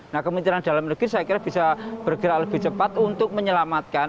nah kementerian dalam negeri saya kira bisa bergerak lebih cepat untuk menyelamatkan